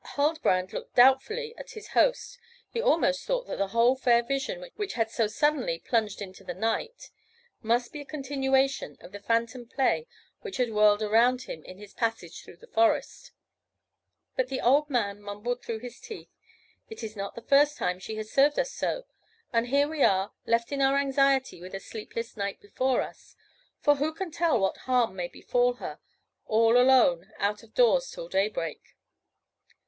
Huldbrand looked doubtfully at his host; he almost thought that the whole fair vision which had so suddenly plunged into the night, must be a continuation of the phantom play which had whirled around him in his passage through the forest. But the old man mumbled through his teeth: "It is not the first time she has served us so. And here are we, left in our anxiety with a sleepless night before us; for who can tell what harm may befall her, all alone out of doors till daybreak?"